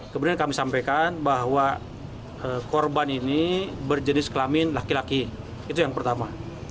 kemudian kami sampaikan bahwa korban ini berjenis kelamin laki laki itu yang pertama